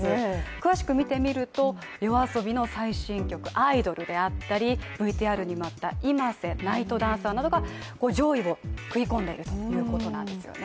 詳しく見てみると、ＹＯＡＳＯＢＩの最新曲「アイドル」であったりＶＴＲにもあったｉｍａｓｅ、「ＮＩＧＨＴＤＡＮＣＥＲ」などが上位に食い込んでいるということなんですね。